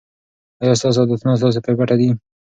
آیا ستاسو عادتونه ستاسو په ګټه دي.